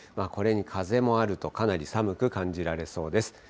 これに風もあると、かなり寒く感じられそうです。